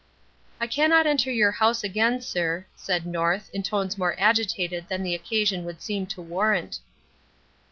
"I cannot enter your house again, sir," said North, in tones more agitated than the occasion would seem to warrant.